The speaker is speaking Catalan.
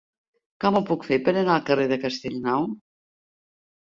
Com ho puc fer per anar al carrer de Castellnou?